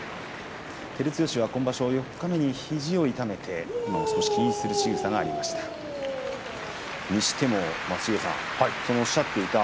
照強は今場所、四日目に肘を痛めて今、気にするしぐさがありました。